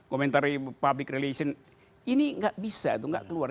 komentari public relation ini nggak bisa itu nggak keluar